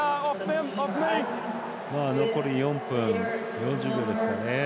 残り４分４０秒ですかね。